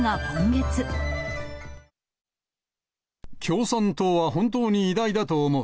共産党は本当に偉大だと思う。